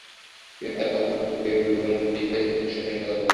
তিনি তার ফতোয়ার পক্ষে এবং বৃটিশের দুঃশাসন নিয়ে কথা বলেন।